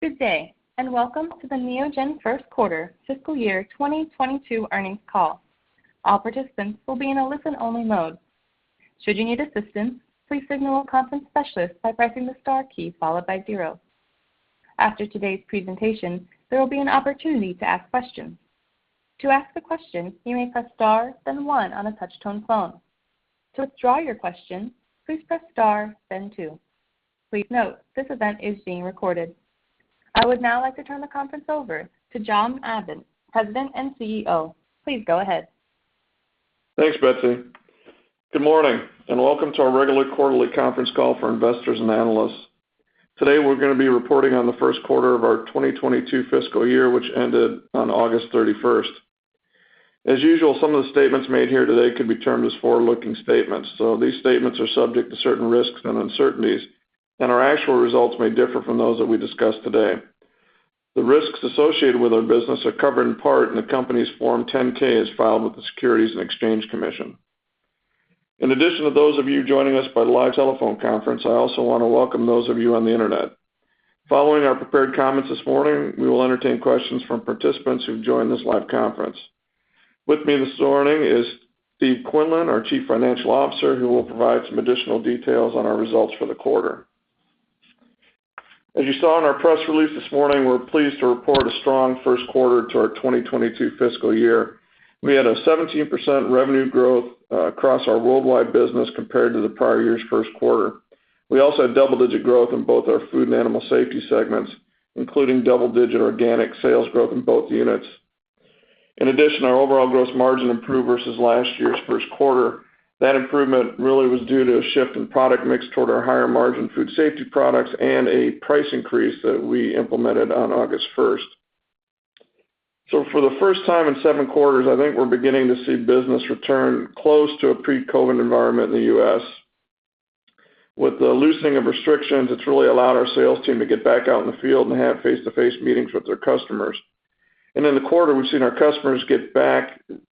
Good day, and welcome to the Neogen First Quarter Fiscal Year 2022 Earnings Call. All participants will be in listen-only mode. Should you need assistance, please signal a conference specialist by pressing the star key followed by zero. After today's presentation, there will be an opportunity to ask questions. To ask a question, you may press star, then one on a touchtone phone. To withdraw your question, please press star, then two. Please note, this event is being recorded. I would now like to turn the conference over to John Adent, President and CEO. Please go ahead. Thanks, Betsy. Good morning, and welcome to our regular quarterly conference call for investors and analysts. Today, we're going to be reporting on the first quarter of our 2022 fiscal year, which ended on August 31st. As usual, some of the statements made here today could be termed as forward-looking statements. These statements are subject to certain risks and uncertainties, and our actual results may differ from those that we discuss today. The risks associated with our business are covered in part in the company's Form 10-K, as filed with the Securities and Exchange Commission. In addition to those of you joining us by live telephone conference, I also want to welcome those of you on the internet. Following our prepared comments this morning, we will entertain questions from participants who've joined this live conference. With me this morning is Steve Quinlan, our Chief Financial Officer, who will provide some additional details on our results for the quarter. As you saw in our press release this morning, we're pleased to report a strong first quarter to our 2022 fiscal year. We had a 17% revenue growth across our worldwide business compared to the prior year's first quarter. We also had double-digit growth in both our Food Safety and Animal Safety segments, including double-digit organic sales growth in both units. Our overall gross margin improved versus last year's first quarter. That improvement really was due to a shift in product mix toward our higher margin Food Safety products and a price increase that we implemented on August 1st. For the first time in seven quarters, I think we're beginning to see business return close to a pre-COVID environment in the U.S. With the loosening of restrictions, it's really allowed our sales team to get back out in the field and have face-to-face meetings with their customers. In the quarter, we've seen our customers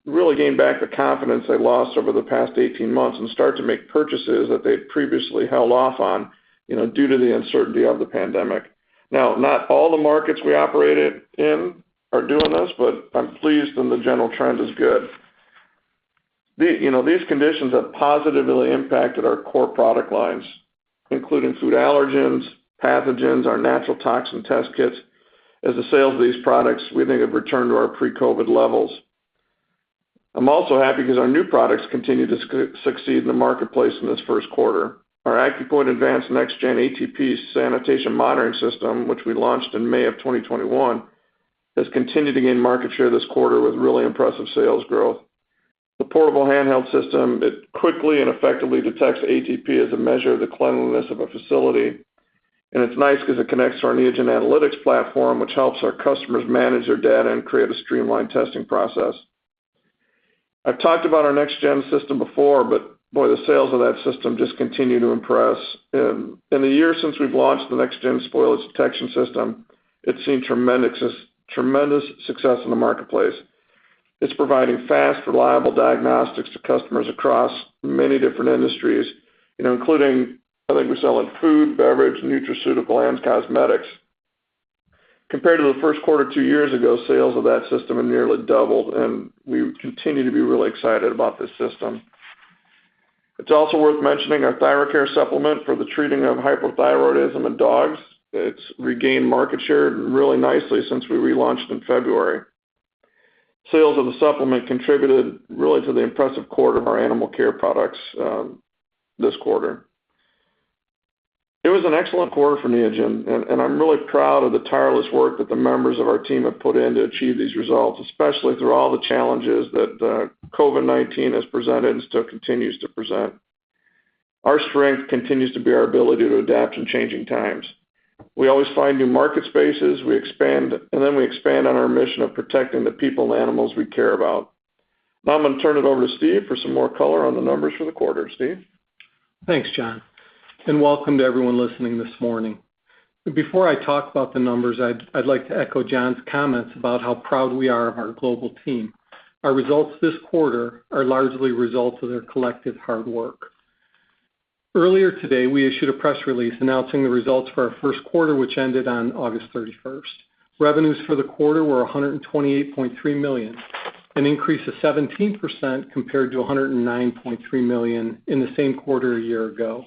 really gain back the confidence they lost over the past 18 months and start to make purchases that they'd previously held off on due to the uncertainty of the pandemic. Not all the markets we operated in are doing this, but I'm pleased and the general trend is good. These conditions have positively impacted our core product lines, including food allergens, pathogens, our natural toxin test kits, as the sales of these products, we think, have returned to our pre-COVID levels. I'm also happy because our new products continue to succeed in the marketplace in this first quarter. Our AccuPoint Advanced NextGen ATP sanitation monitoring system, which we launched in May of 2021, has continued to gain market share this quarter with really impressive sales growth. The portable handheld system, it quickly and effectively detects ATP as a measure of the cleanliness of a facility, and it's nice because it connects to our Neogen Analytics platform, which helps our customers manage their data and create a streamlined testing process. I've talked about our NextGen system before, but boy, the sales of that system just continue to impress. In the year since we've launched the NextGen spoilage detection system, it's seen tremendous success in the marketplace. It's providing fast, reliable diagnostics to customers across many different industries, including, I think we sell in food, beverage, nutraceutical, and cosmetics. Compared to the first quarter two years ago, sales of that system have nearly doubled, and we continue to be really excited about this system. It's also worth mentioning our ThyroKare supplement for the treating of hypothyroidism in dogs. It's regained market share really nicely since we relaunched in February. Sales of the supplement contributed really to the impressive quarter of our animal care products this quarter. It was an excellent quarter for Neogen, and I'm really proud of the tireless work that the members of our team have put in to achieve these results, especially through all the challenges that COVID-19 has presented and still continues to present. Our strength continues to be our ability to adapt in changing times. We always find new market spaces, and then we expand on our mission of protecting the people and animals we care about. Now I'm going to turn it over to Steve for some more color on the numbers for the quarter. Steve? Thanks, John, and welcome to everyone listening this morning. Before I talk about the numbers, I'd like to echo John's comments about how proud we are of our global team. Our results this quarter are largely a result of their collective hard work. Earlier today, we issued a press release announcing the results for our first quarter, which ended on August 31st. Revenues for the quarter were $128.3 million, an increase of 17% compared to $109.3 million in the same quarter a year ago.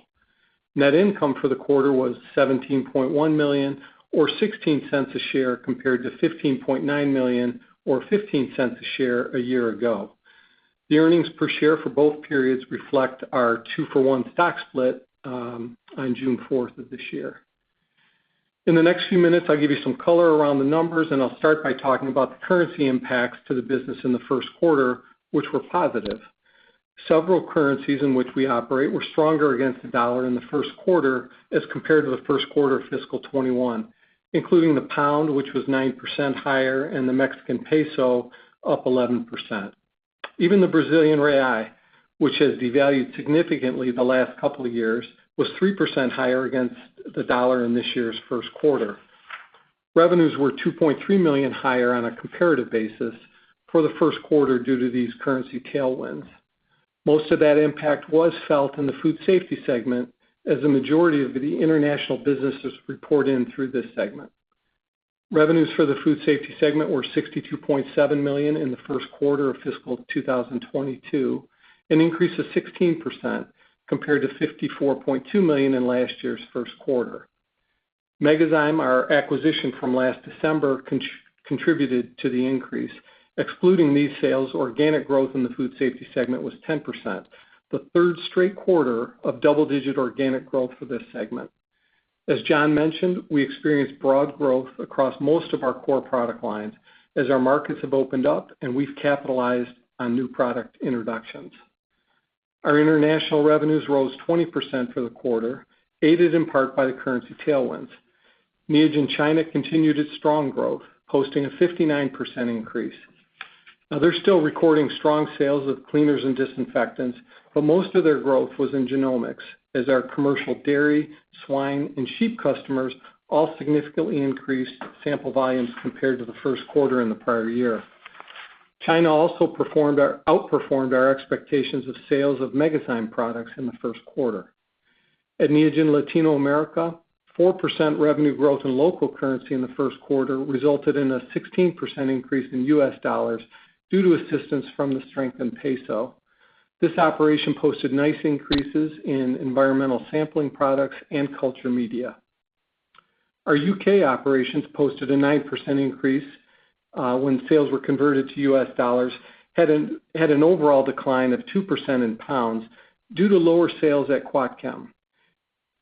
Net income for the quarter was $17.1 million or $0.16 a share, compared to $15.9 million or $0.15 a share a year ago. The earnings per share for both periods reflect our two-for-one stock split on June 4th of this year. In the next few minutes, I'll give you some color around the numbers. I'll start by talking about the currency impacts to the business in the first quarter, which were positive. Several currencies in which we operate were stronger against the dollar in the first quarter as compared to the first quarter of fiscal 2021, including the pound, which was 9% higher, the Mexican peso, up 11%. Even the Brazilian real, which has devalued significantly the last couple of years, was 3% higher against the dollar in this year's first quarter. Revenues were $2.3 million higher on a comparative basis for the first quarter due to these currency tailwinds. Most of that impact was felt in the Food Safety segment, as the majority of the international businesses report in through this segment. Revenues for the Food Safety segment were $62.7 million in the first quarter of fiscal 2022, an increase of 16%, compared to $54.2 million in last year's first quarter. Megazyme, our acquisition from last December, contributed to the increase. Excluding these sales, organic growth in the Food Safety segment was 10%, the third straight quarter of double-digit organic growth for this segment. As John mentioned, we experienced broad growth across most of our core product lines as our markets have opened up, and we've capitalized on new product introductions. Our international revenues rose 20% for the quarter, aided in part by the currency tailwinds. Neogen China continued its strong growth, posting a 59% increase. They're still recording strong sales of cleaners and disinfectants, but most of their growth was in genomics, as our commercial dairy, swine, and sheep customers all significantly increased sample volumes compared to the first quarter in the prior year. China also outperformed our expectations of sales of Megazyme products in the first quarter. At Neogen Latinoamerica, 4% revenue growth in local currency in the first quarter resulted in a 16% increase in U.S. dollars due to assistance from the strengthened peso. This operation posted nice increases in environmental sampling products and culture media. Our U.K. operations posted a 9% increase when sales were converted to U.S. dollars, had an overall decline of 2% in pounds due to lower sales at Quat-Chem.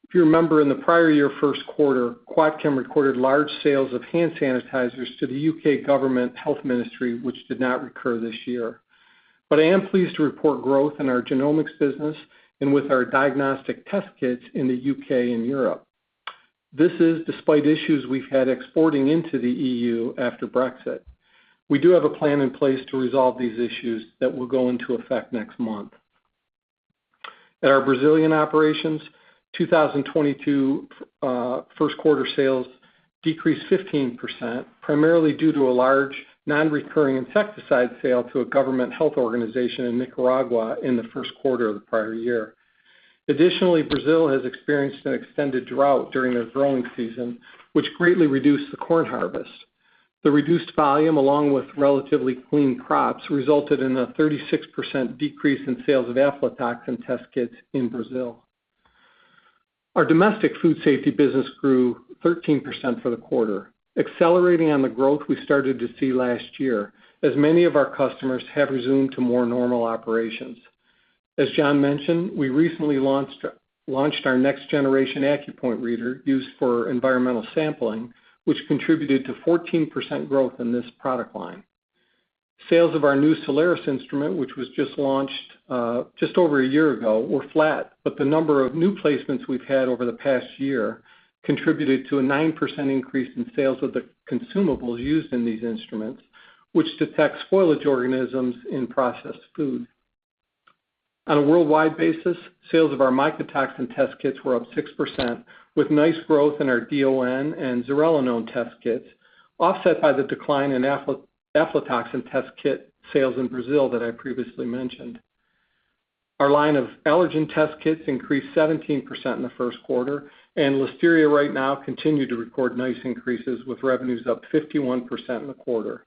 If you remember, in the prior year first quarter, Quat-Chem recorded large sales of hand sanitizers to the U.K. government health ministry, which did not recur this year. I am pleased to report growth in our genomics business and with our diagnostic test kits in the U.K. and Europe. This is despite issues we've had exporting into the E.U. after Brexit. We do have a plan in place to resolve these issues that will go into effect next month. At our Brazilian operations, 2022 first quarter sales decreased 15%, primarily due to a large non-recurring insecticide sale to a government health organization in Nicaragua in the first quarter of the prior year. Additionally, Brazil has experienced an extended drought during their growing season, which greatly reduced the corn harvest. The reduced volume, along with relatively clean crops, resulted in a 36% decrease in sales of aflatoxin test kits in Brazil. Our domestic Food Safety business grew 13% for the quarter, accelerating on the growth we started to see last year, as many of our customers have resumed to more normal operations. As John mentioned, we recently launched our next generation AccuPoint Advanced Next Generation reader used for environmental sampling, which contributed to 14% growth in this product line. Sales of our new Soleris instrument, which was just launched just over a year ago, were flat, but the number of new placements we've had over the past year contributed to a 9% increase in sales of the consumables used in these instruments, which detect spoilage organisms in processed food. On a worldwide basis, sales of our mycotoxin test kits were up 6%, with nice growth in our DON and zearalenone test kits, offset by the decline in aflatoxin test kit sales in Brazil that I previously mentioned. Our line of allergen test kits increased 17% in the first quarter, and Listeria Right Now continue to record nice increases, with revenues up 51% in the quarter.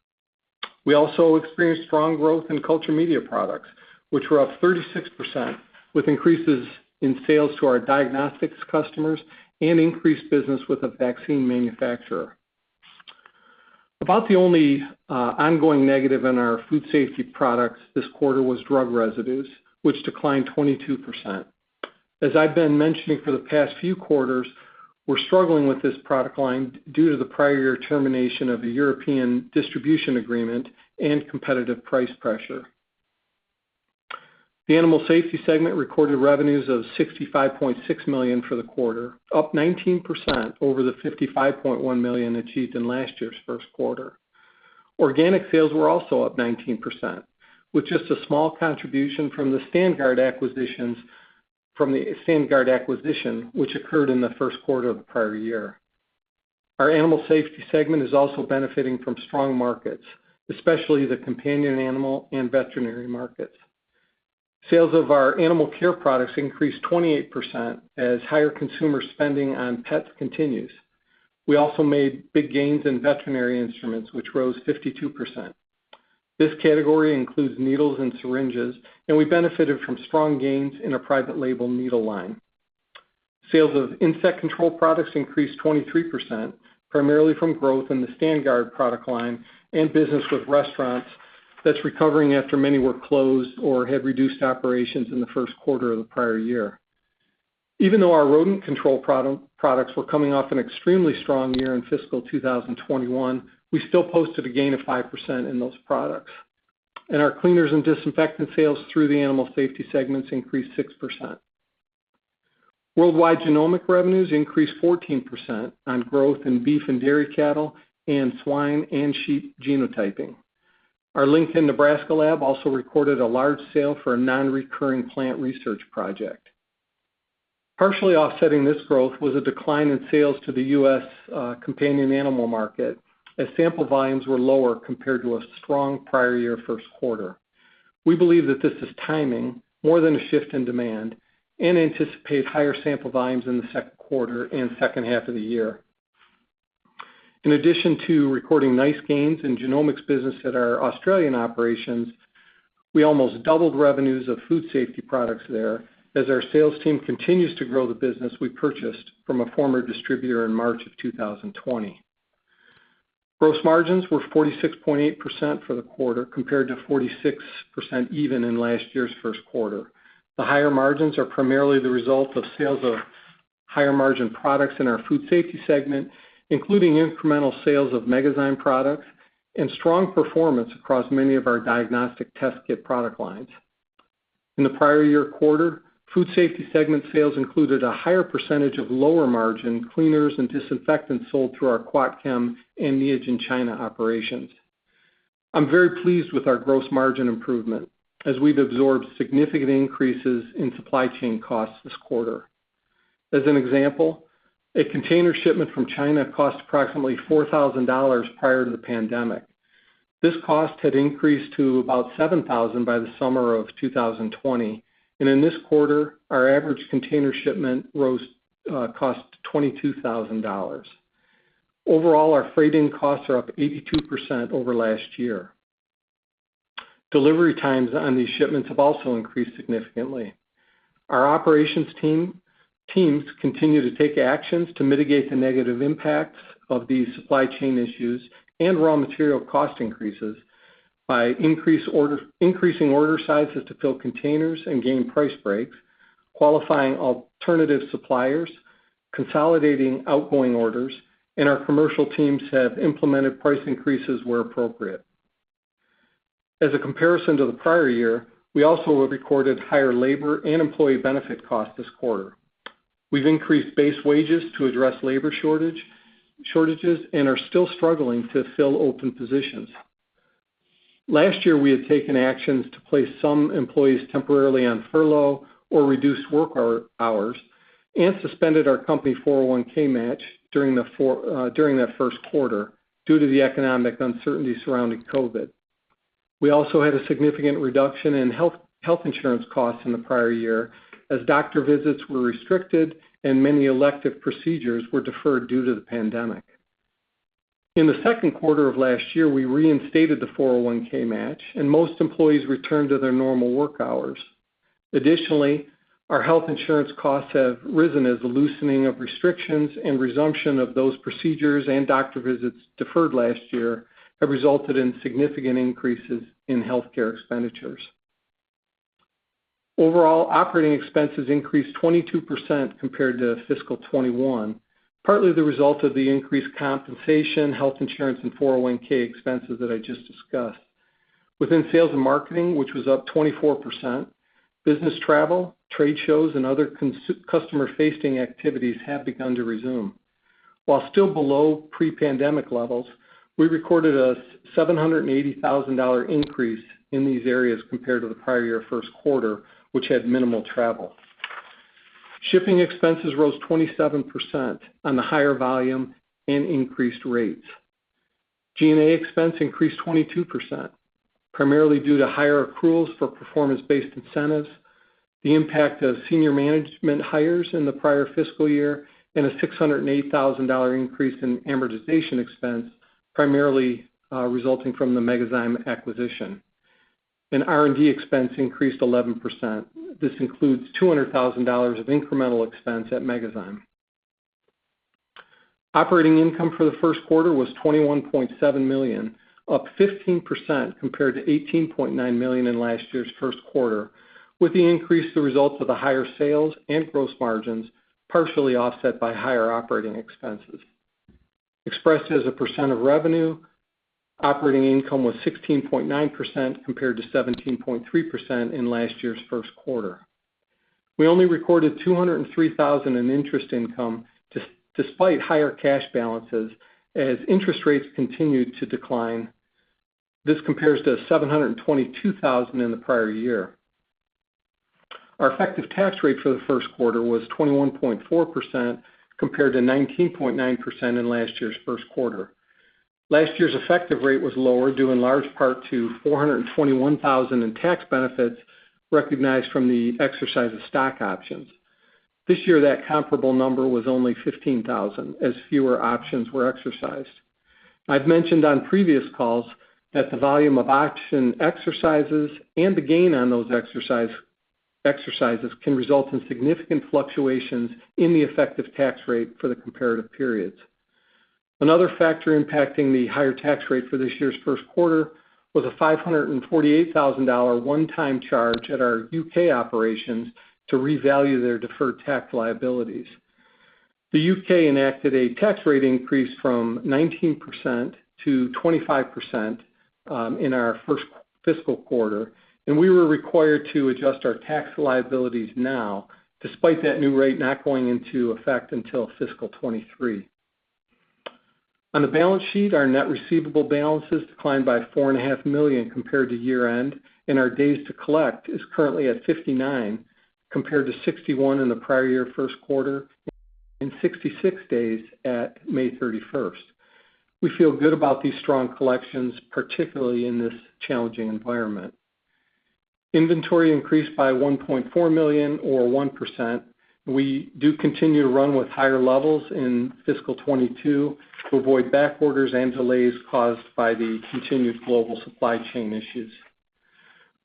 We also experienced strong growth in culture media products, which were up 36%, with increases in sales to our diagnostics customers and increased business with a vaccine manufacturer. About the only ongoing negative in our Food Safety products this quarter was drug residues, which declined 22%. As I've been mentioning for the past few quarters, we're struggling with this product line due to the prior year termination of a European distribution agreement and competitive price pressure. The Animal Safety segment recorded revenues of $65.6 million for the quarter, up 19% over the $55.1 million achieved in last year's first quarter. Organic sales were also up 19%, with just a small contribution from the StandGuard acquisition, which occurred in the first quarter of the prior year. Our Animal Safety segment is also benefiting from strong markets, especially the companion animal and veterinary markets. Sales of our animal care products increased 28% as higher consumer spending on pets continues. We also made big gains in veterinary instruments, which rose 52%. This category includes needles and syringes, and we benefited from strong gains in a private label needle line. Sales of insect control products increased 23%, primarily from growth in the StandGuard product line and business with restaurants that is recovering after many were closed or had reduced operations in the first quarter of the prior year. Even though our rodent control products were coming off an extremely strong year in fiscal 2021, we still posted a gain of 5% in those products. Our Animal Safety segment's cleaners and disinfectant sales increased 6%. Worldwide genomic revenues increased 14% on growth in beef and dairy cattle and swine and sheep genotyping. Our Lincoln, Nebraska lab also recorded a large sale for a non-recurring plant research project. Partially offsetting this growth was a decline in sales to the U.S. companion animal market, as sample volumes were lower compared to a strong prior year first quarter. We believe that this is timing, more than a shift in demand, and anticipate higher sample volumes in the second quarter and second half of the year. In addition to recording nice gains in genomics business at our Australian operations, we almost doubled revenues of food safety products there, as our sales team continues to grow the business we purchased from a former distributor in March of 2020. Gross margins were 46.8% for the quarter, compared to 46% even in last year's first quarter. The higher margins are primarily the result of sales of higher-margin products in our Food Safety segment, including incremental sales of Megazyme products and strong performance across many of our diagnostic test kit product lines. In the prior year quarter, Food Safety segment sales included a higher percentage of lower-margin cleaners and disinfectants sold through our Quat-Chem and Neogen China operations. I'm very pleased with our gross margin improvement, as we've absorbed significant increases in supply chain costs this quarter. As an example, a container shipment from China cost approximately $4,000 prior to the pandemic. This cost had increased to about $7,000 by the summer of 2020, and in this quarter, our average container shipment cost $22,000. Overall, our freight-in costs are up 82% over last year. Delivery times on these shipments have also increased significantly. Our operations teams continue to take actions to mitigate the negative impacts of these supply chain issues and raw material cost increases by increasing order sizes to fill containers and gain price breaks, qualifying alternative suppliers, consolidating outgoing orders, and our commercial teams have implemented price increases where appropriate. As a comparison to the prior year, we also have recorded higher labor and employee benefit costs this quarter. We've increased base wages to address labor shortages and are still struggling to fill open positions. Last year, we had taken actions to place some employees temporarily on furlough or reduced work hours and suspended our company 401(k) match during that first quarter due to the economic uncertainty surrounding COVID-19. We also had a significant reduction in health insurance costs in the prior year, as doctor visits were restricted and many elective procedures were deferred due to the pandemic. In the second quarter of last year, we reinstated the 401(k) match, and most employees returned to their normal work hours. Additionally, our health insurance costs have risen as the loosening of restrictions and resumption of those procedures and doctor visits deferred last year have resulted in significant increases in healthcare expenditures. Overall, operating expenses increased 22% compared to fiscal 2021, partly the result of the increased compensation, health insurance, and 401(k) expenses that I just discussed. Within sales and marketing, which was up 24%, business travel, trade shows, and other customer-facing activities have begun to resume. While still below pre-pandemic levels, we recorded a $780,000 increase in these areas compared to the prior year first quarter, which had minimal travel. Shipping expenses rose 27% on the higher volume and increased rates. G&A expense increased 22%, primarily due to higher accruals for performance-based incentives, the impact of senior management hires in the prior fiscal year, and a $608,000 increase in amortization expense, primarily resulting from the Megazyme acquisition. R&D expense increased 11%. This includes $200,000 of incremental expense at Megazyme. Operating income for the first quarter was $21.7 million, up 15% compared to $18.9 million in last year's first quarter, with the increase the result of the higher sales and gross margins, partially offset by higher operating expenses. Expressed as a percent of revenue, operating income was 16.9% compared to 17.3% in last year's first quarter. We only recorded $203,000 in interest income, despite higher cash balances, as interest rates continued to decline. This compares to $722,000 in the prior year. Our effective tax rate for the first quarter was 21.4% compared to 19.9% in last year's first quarter. Last year's effective rate was lower due in large part to $421,000 in tax benefits recognized from the exercise of stock options. This year, that comparable number was only $15,000, as fewer options were exercised. I've mentioned on previous calls that the volume of option exercises and the gain on those exercises can result in significant fluctuations in the effective tax rate for the comparative periods. Another factor impacting the higher tax rate for this year's first quarter was a $548,000 1x charge at our U.K. operations to revalue their deferred tax liabilities. The U.K. enacted a tax rate increase from 19% to 25% in our first fiscal quarter, and we were required to adjust our tax liabilities now, despite that new rate not going into effect until fiscal 2023. On the balance sheet, our net receivable balances declined by $4.5 million compared to year-end, and our days to collect is currently at 59 compared to 61 in the prior year first quarter, and 66 days at May 31st. We feel good about these strong collections, particularly in this challenging environment. Inventory increased by $1.4 million or 1%, and we do continue to run with higher levels in fiscal 2022 to avoid back orders and delays caused by the continued global supply chain issues.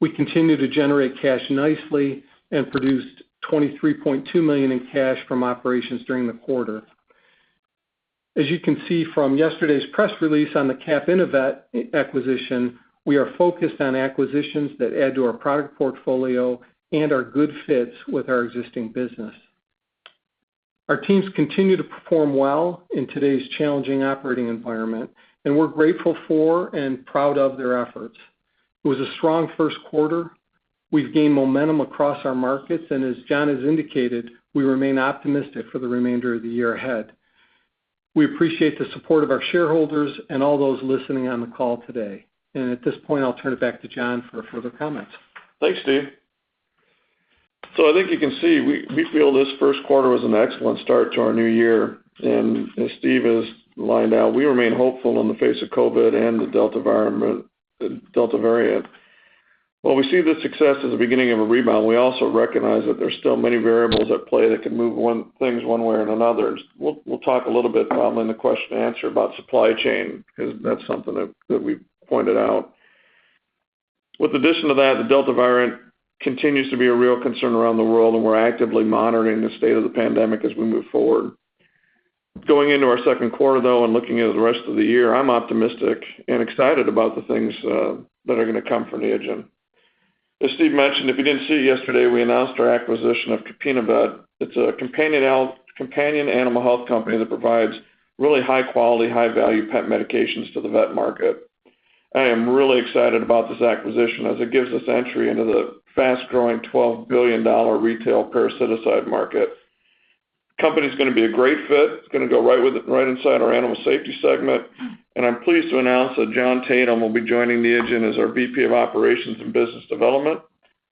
We continue to generate cash nicely and produced $23.2 million in cash from operations during the quarter. As you can see from yesterday's press release on the CAPInnoVet acquisition, we are focused on acquisitions that add to our product portfolio and are good fits with our existing business. Our teams continue to perform well in today's challenging operating environment, and we're grateful for and proud of their efforts. It was a strong first quarter. We've gained momentum across our markets, and as John has indicated, we remain optimistic for the remainder of the year ahead. We appreciate the support of our shareholders and all those listening on the call today. At this point, I'll turn it back to John for further comments. Thanks, Steve. I think you can see, we feel this first quarter was an excellent start to our new year. As Steve has lined out, we remain hopeful on the face of COVID and the Delta variant. While we see this success as the beginning of a rebound, we also recognize that there's still many variables at play that can move things one way or another. We'll talk a little bit probably in the question and answer about supply chain, because that's something that we've pointed out. With addition to that, the Delta variant continues to be a real concern around the world, and we're actively monitoring the state of the pandemic as we move forward. Going into our second quarter, though, and looking at the rest of the year, I'm optimistic and excited about the things that are going to come for Neogen. As Steve mentioned, if you didn't see yesterday, we announced our acquisition of CAPInnoVet. It's a companion animal health company that provides really high quality, high value pet medications to the vet market. I am really excited about this acquisition as it gives us entry into the fast-growing $12 billion retail parasiticide market. Company's going to be a great fit. It's going to go right inside our Animal Safety segment. I'm pleased to announce that John Tatum will be joining Neogen as our VP of Operations and Business Development.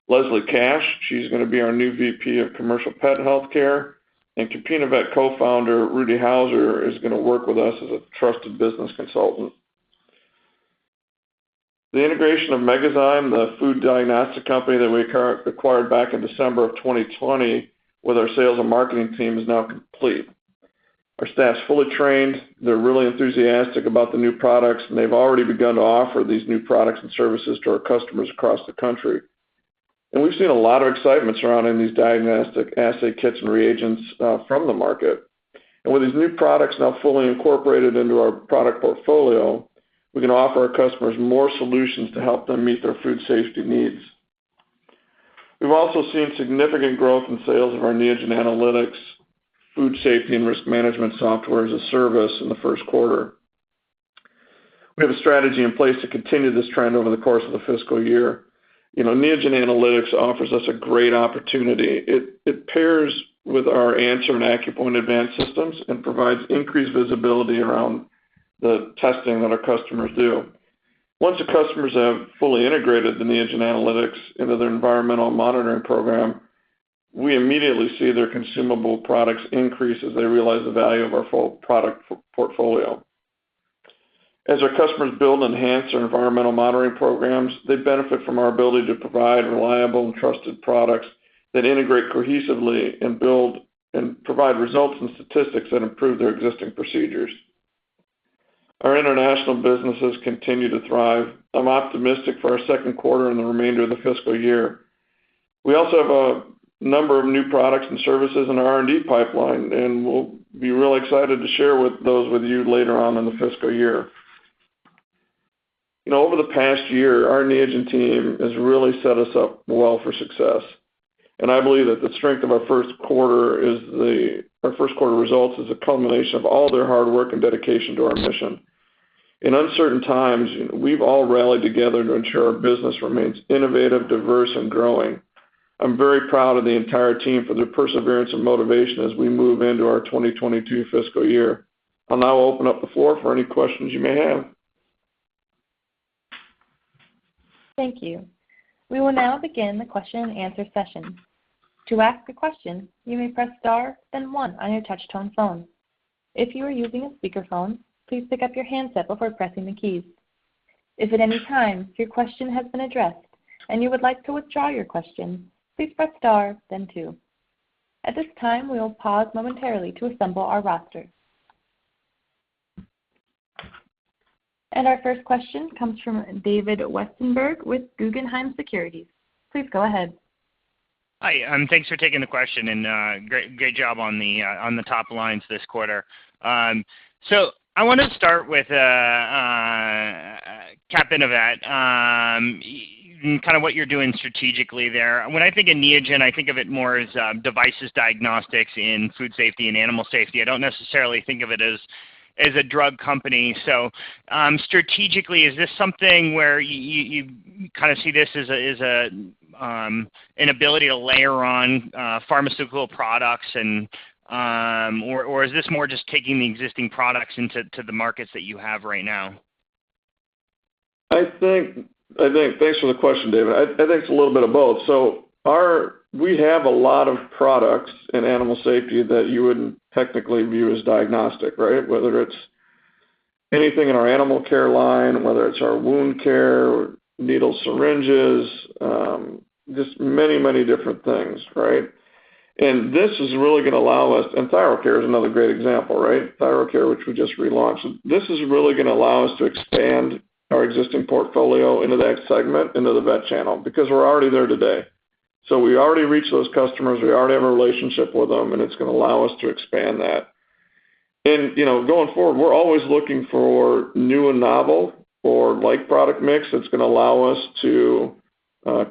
Leslie Cash, she's going to be our new VP of Commercial Pet Healthcare. CAPInnoVet Co-Founder Rudy Hauser is going to work with us as a trusted business consultant. The integration of Megazyme, the food diagnostic company that we acquired back in December of 2020, with our sales and marketing team is now complete. Our staff's fully trained. They're really enthusiastic about the new products, and they've already begun to offer these new products and services to our customers across the country. We've seen a lot of excitement surrounding these diagnostic assay kits and reagents from the market. With these new products now fully incorporated into our product portfolio, we can offer our customers more solutions to help them meet their Food Safety needs. We've also seen significant growth in sales of our Neogen Analytics Food Safety and risk management software as a service in the first quarter. We have a strategy in place to continue this trend over the course of the fiscal year. Neogen Analytics offers us a great opportunity. It pairs with our ANSR and AccuPoint Advanced systems and provides increased visibility around the testing that our customers do. Once the customers have fully integrated the Neogen Analytics into their environmental monitoring program, we immediately see their consumable products increase as they realize the value of our full product portfolio. As our customers build and enhance their environmental monitoring programs, they benefit from our ability to provide reliable and trusted products that integrate cohesively and provide results and statistics that improve their existing procedures. Our international businesses continue to thrive. I'm optimistic for our second quarter and the remainder of the fiscal year. We also have a number of new products and services in our R&D pipeline, and we'll be real excited to share those with you later on in the fiscal year. Over the past year, our Neogen team has really set us up well for success, and I believe that the strength of our first quarter results is a culmination of all their hard work and dedication to our mission. In uncertain times, we've all rallied together to ensure our business remains innovative, diverse, and growing. I'm very proud of the entire team for their perseverance and motivation as we move into our 2022 fiscal year. I'll now open up the floor for any questions you may have. Thank you. We will now begin the question-and-answer session. To ask a question, you may press star and one on your touchtone phone. If you are using a speakerphone, please pick up your handset before pressing the keys. If at any time your question has been addressed and you would like to withdraw your question, please press star, then two. At this time, we will pause momentarily to assemble our roster. Our first question comes from David Westenberg with Guggenheim Securities. Please go ahead. Hi, and thanks for taking the question, and great job on the top lines this quarter. I want to start with CAPInnoVet, kind of what you're doing strategically there. When I think of Neogen, I think of it more as devices diagnostics in Food Safety and Animal Safety. I don't necessarily think of it as a drug company. Strategically, is this something where you kind of see this as an ability to layer on pharmaceutical products, or is this more just taking the existing products into the markets that you have right now? I think, thanks for the question, David. I think it's a little bit of both. We have a lot of products in Animal Safety that you wouldn't technically view as diagnostic, right? Whether it's anything in our animal care line, whether it's our wound care, needles, syringes, just many different things, right? ThyroKare is another great example, right? ThyroKare, which we just relaunched. This is really going to allow us to expand our existing portfolio into that segment, into the vet channel, because we're already there today. We already reach those customers, we already have a relationship with them, and it's going to allow us to expand that. Going forward, we're always looking for new and novel or like-product mix that's going to allow us to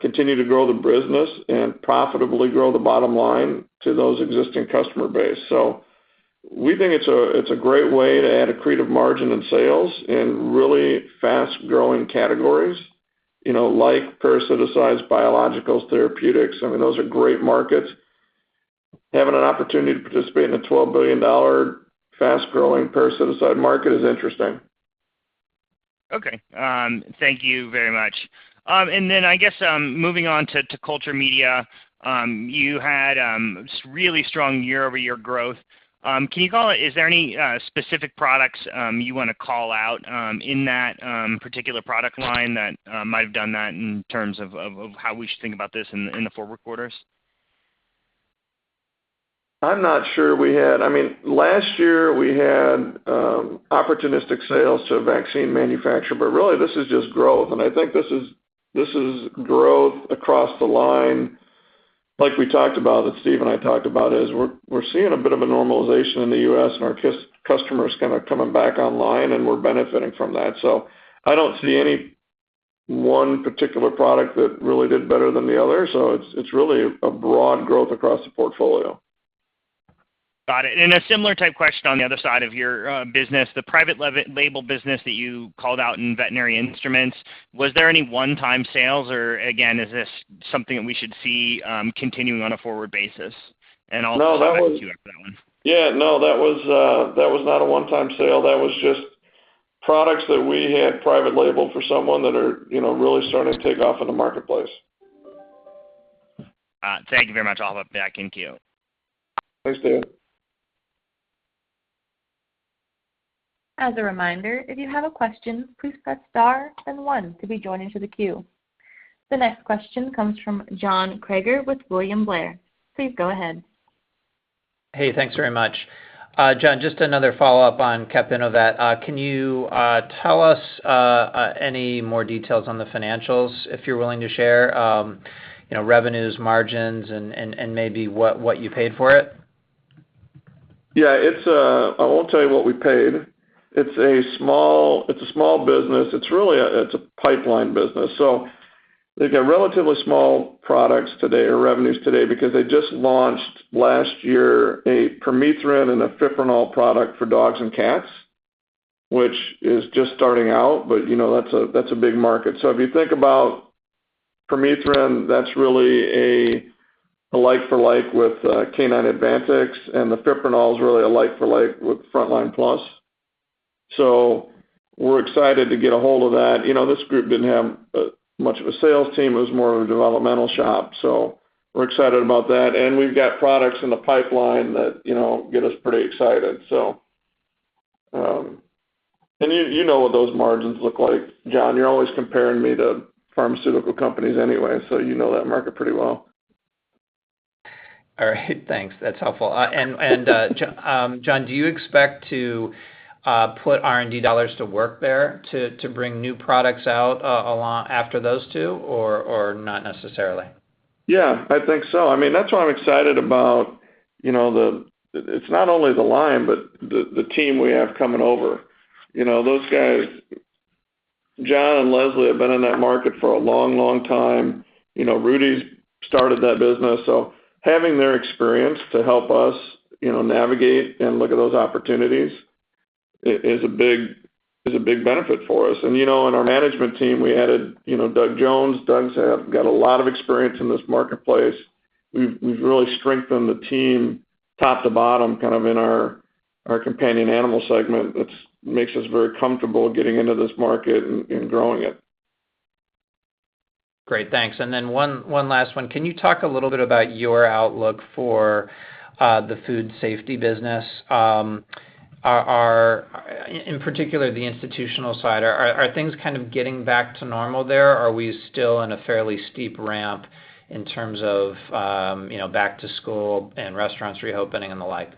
continue to grow the business and profitably grow the bottom line to those existing customer base. We think it's a great way to add accretive margin and sales in really fast-growing categories like parasiticides, biologicals, therapeutics. I mean, those are great markets. Having an opportunity to participate in a $12 billion fast-growing parasiticide market is interesting. Okay. Thank you very much. I guess, moving on to culture media, you had really strong year-over-year growth. Is there any specific products you want to call out in that particular product line that might have done that in terms of how we should think about this in the forward quarters? I'm not sure we had. I mean, last year we had opportunistic sales to a vaccine manufacturer, but really this is just growth. I think this is growth across the line. Like we talked about, that Steve and I talked about is, we're seeing a bit of a normalization in the U.S., and our customers kind of coming back online, and we're benefiting from that. I don't see any one particular product that really did better than the other. It's really a broad growth across the portfolio. Got it. A similar type question on the other side of your business, the private label business that you called out in Veterinary Instruments, was there any 1x sales or again, is this something that we should see continuing on a forward basis? No, that was- Back to you after that one. Yeah, no, that was not a 1x sale. That was just products that we had private label for someone that are really starting to take off in the marketplace. Thank you very much. I'll hop back in queue. Thanks, David. As a reminder, if you have a question, please press star and one to be joined into the queue. The next question comes from John Kreger with William Blair. Please go ahead. Hey, thanks very much. John, just another follow-up on CAPInnoVet. Can you tell us any more details on the financials, if you're willing to share, revenues, margins, and maybe what you paid for it? Yeah. I won't tell you what we paid. It's a small business. It's a pipeline business. They've got relatively small products today or revenues today because they just launched last year a permethrin and a fipronil product for dogs and cats, which is just starting out. That's a big market. If you think about permethrin, that's really a like for like with K9 Advantix, and the fipronil is really a like for like with Frontline Plus. We're excited to get a hold of that. This group didn't have much of a sales team. It was more of a developmental shop. We're excited about that. We've got products in the pipeline that get us pretty excited. You know what those margins look like, John. You're always comparing me to pharmaceutical companies anyway, so you know that market pretty well. All right, thanks. That's helpful. John, do you expect to put R&D dollars to work there to bring new products out after those two or not necessarily? Yeah, I think so. That's why I'm excited about it's not only the line but the team we have coming over. Those guys, John and Leslie, have been in that market for a long time. Rudy's started that business. Having their experience to help us navigate and look at those opportunities is a big benefit for us. In our management team, we added Doug Jones. Doug's got a lot of experience in this marketplace. We've really strengthened the team top to bottom in our companion animal segment that makes us very comfortable getting into this market and growing it. Great, thanks. One last one. Can you talk a little bit about your outlook for the Food Safety business, in particular, the institutional side? Are things kind of getting back to normal there? Are we still in a fairly steep ramp in terms of back to school and restaurants reopening and the like?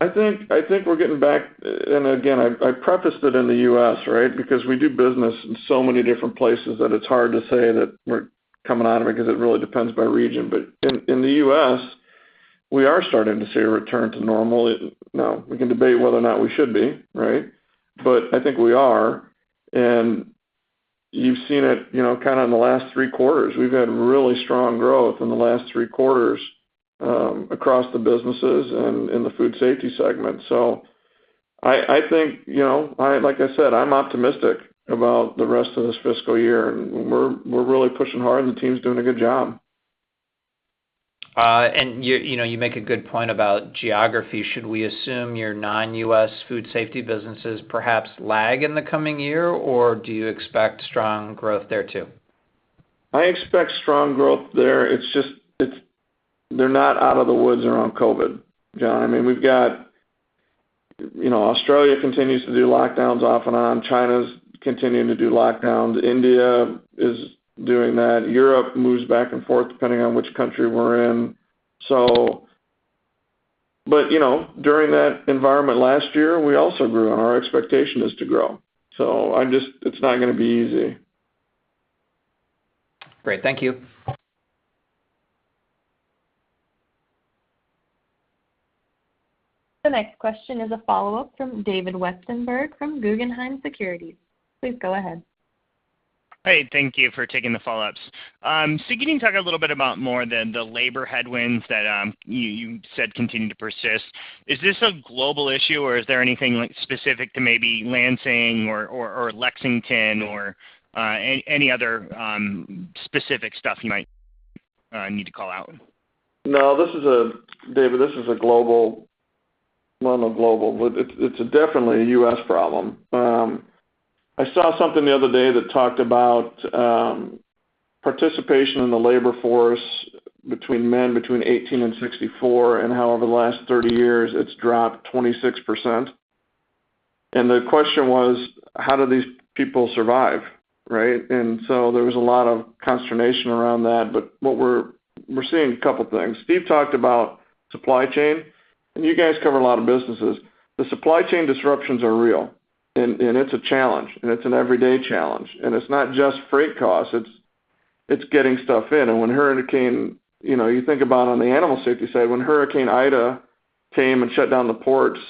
I think we're getting back. Again, I prefaced it in the U.S., right? Because we do business in so many different places that it's hard to say that we're coming out of it because it really depends by region. In the U.S., we are starting to see a return to normal. Now, we can debate whether or not we should be, right? I think we are, and you've seen it kind of in the last three quarters. We've had really strong growth in the last three quarters across the businesses and in the Food Safety segment. I think, like I said, I'm optimistic about the rest of this fiscal year. We're really pushing hard, and the team's doing a good job. You make a good point about geography. Should we assume your non-U.S. Food Safety businesses perhaps lag in the coming year, or do you expect strong growth there too? I expect strong growth there. It's just they're not out of the woods around COVID, John. Australia continues to do lockdowns off and on. China's continuing to do lockdowns. India is doing that. Europe moves back and forth depending on which country we're in. During that environment last year, we also grew, and our expectation is to grow. It's not going to be easy. Great. Thank you. The next question is a follow-up from David Westenberg from Guggenheim Securities. Please go ahead. Hey, thank you for taking the follow-ups. Can you talk a little bit about more the labor headwinds that you said continue to persist? Is this a global issue, or is there anything specific to maybe Lansing or Lexington or any other specific stuff you might need to call out? David, this is a global-- well, not global, but it's definitely a U.S. problem. I saw something the other day that talked about participation in the labor force between men between 18 and 64, and how over the last 30 years it's dropped 26%. The question was, how do these people survive, right? There was a lot of consternation around that. We're seeing a couple things. Steve talked about supply chain, and you guys cover a lot of businesses. The supply chain disruptions are real, and it's a challenge, and it's an everyday challenge. It's not just freight costs, it's getting stuff in. You think about on the Animal Safety side, when Hurricane Ida came and shut down the ports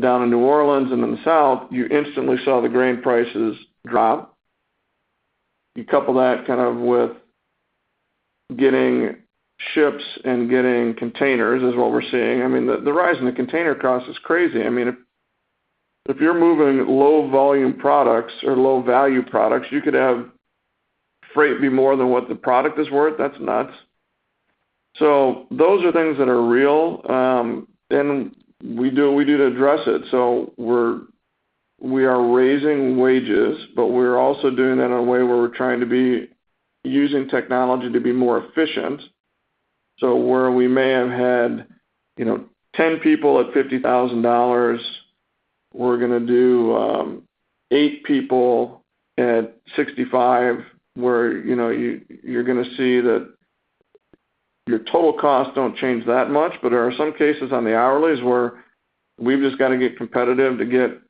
down in New Orleans and in the South, you instantly saw the grain prices drop. You couple that with getting ships and getting containers is what we're seeing. The rise in the container cost is crazy. If you're moving low volume products or low value products, you could have freight be more than what the product is worth. That's nuts. Those are things that are real. We do what we do to address it. We are raising wages, but we're also doing that in a way where we're trying to be using technology to be more efficient. Where we may have had 10 people at $50,000, we're going to do eight people at $65,000 where you're going to see that your total costs don't change that much. There are some cases on the hourlies where we've just got to get competitive to get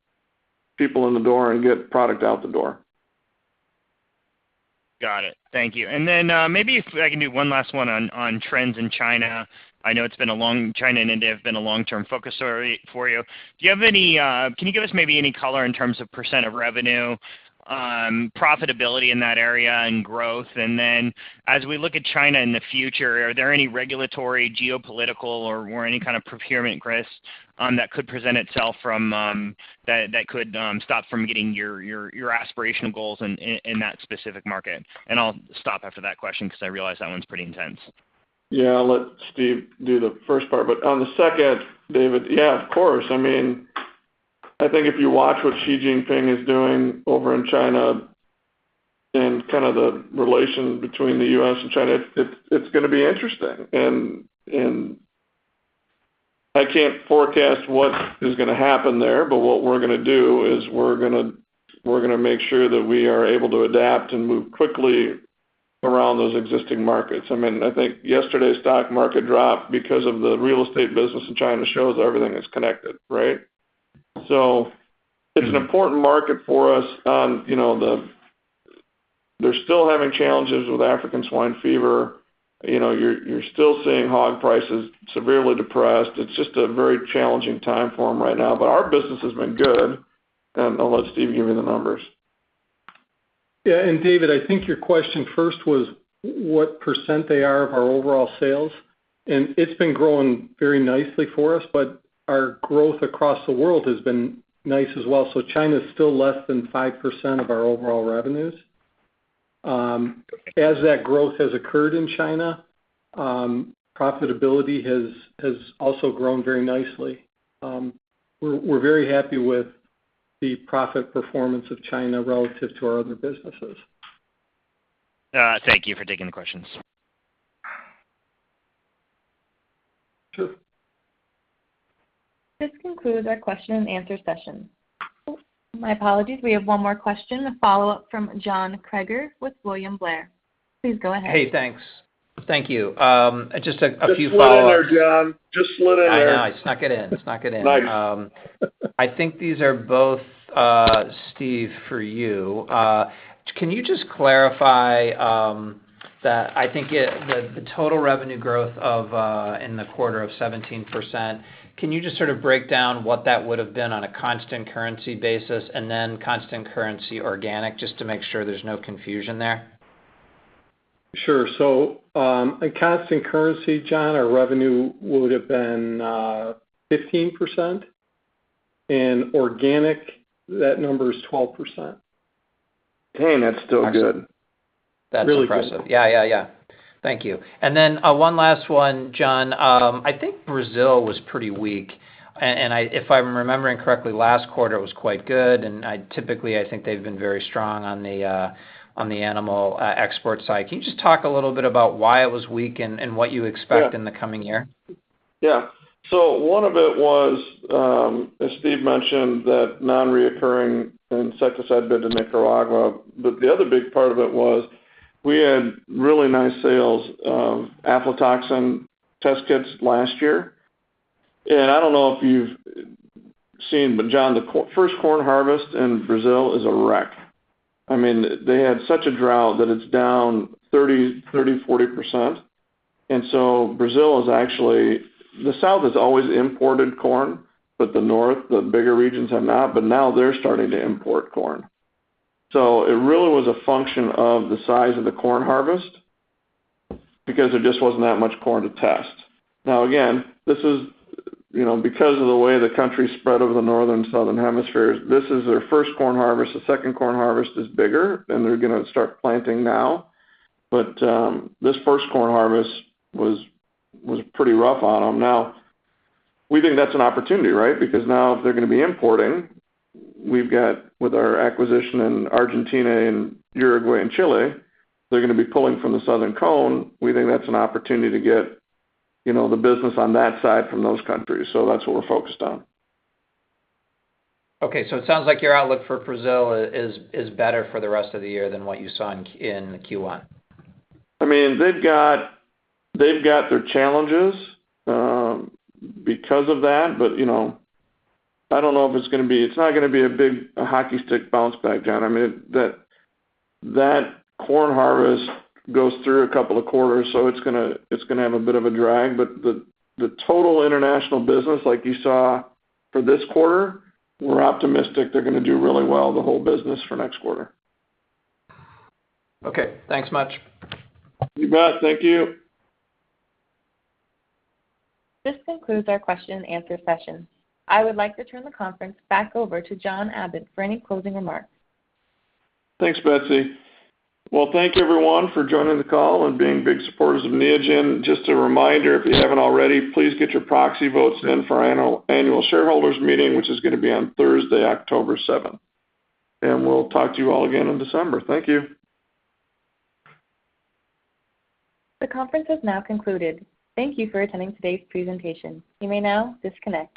people in the door and get product out the door. Got it. Thank you. Maybe if I can do one last one on trends in China. I know China and India have been a long-term focus area for you. Can you give us maybe any color in terms of percent of revenue, profitability in that area and growth? As we look at China in the future, are there any regulatory, geopolitical, or any kind of procurement risk that could present itself that could stop from getting your aspirational goals in that specific market? I'll stop after that question because I realize that one's pretty intense. I'll let Steve do the first part. On the second, David, yeah, of course. I think if you watch what Xi Jinping is doing over in China and the relation between the U.S. and China, it's going to be interesting. I can't forecast what is going to happen there, what we're going to do is we're going to make sure that we are able to adapt and move quickly around those existing markets. I think yesterday's stock market drop because of the real estate business in China shows everything is connected, right? It's an important market for us. They're still having challenges with African swine fever. You're still seeing hog prices severely depressed. It's just a very challenging time for them right now. Our business has been good. I'll let Steve give you the numbers. Yeah. David, I think your question first was what percent they are of our overall sales, and it's been growing very nicely for us, but our growth across the world has been nice as well. China's still less than 5% of our overall revenues. As that growth has occurred in China, profitability has also grown very nicely. We're very happy with the profit performance of China relative to our other businesses. Thank you for taking the questions. Sure. This concludes our question-and-answer session. Oh, my apologies. We have one more question, a follow-up from John Kreger with William Blair. Please go ahead. Hey, thanks. Thank you. Just a few follow-ups. Just slid in there, John. Just slid in there. I know. I snuck it in. Nice. I think these are both, Steve, for you. Can you just clarify that, I think the total revenue growth in the quarter of 17%, can you just sort of break down what that would've been on a constant currency basis and then constant currency organic, just to make sure there's no confusion there? Sure. In constant currency, John, our revenue would've been 15%, and organic, that number is 12%. Damn, that's still good. That's impressive. Really good. Yeah. Thank you. One last one, John. I think Brazil was pretty weak, and if I'm remembering correctly, last quarter was quite good. Typically, I think they've been very strong on the animal export side. Can you just talk a little bit about why it was weak and what you expect in the coming year? One of it was, as Steve mentioned, that non-recurring insecticide bid to Nicaragua. The other big part of it was we had really nice sales of aflatoxin test kits last year. I don't know if you've seen, but John, the first corn harvest in Brazil is a wreck. They had such a drought that it's down 30%-40%. And so, Brazil was actually, the south has always imported corn, but the north, the bigger regions, have not. Now they're starting to import corn. Again, because of the way the country is spread over the northern, southern hemispheres, this is their first corn harvest. The second corn harvest is bigger; they're going to start planting now. This first corn harvest was pretty rough on them. We think that's an opportunity, right? Now if they're going to be importing, we've got, with our acquisition in Argentina and Uruguay and Chile, they're going to be pulling from the southern cone. We think that's an opportunity to get the business on that side from those countries. That's what we're focused on. Okay. It sounds like your outlook for Brazil is better for the rest of the year than what you saw in Q1. They've got their challenges because of that, but it's not going to be a big hockey stick bounce back, John. That corn harvest goes through a couple of quarters, so it's going to have a bit of a drag. The total international business, like you saw for this quarter, we're optimistic they're going to do really well, the whole business for next quarter. Okay, thanks much. You bet. Thank you. This concludes our question-and-answer session. I would like to turn the conference back over to John Adent for any closing remarks. Thanks, Betsy. Well, thank you, everyone, for joining the call and being big supporters of Neogen. Just a reminder, if you haven't already, please get your proxy votes in for annual shareholders meeting, which is going to be on Thursday, October 7th. We'll talk to you all again in December. Thank you. The conference has now concluded. Thank you for attending today's presentation. You may now disconnect.